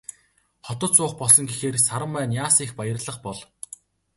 Хотод суух болсон гэхээр Саран маань яасан их баярлах бол.